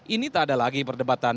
ini tak ada lagi perdebatan